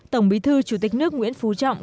tổng bí thư chủ tịch nước nguyễn phú trọng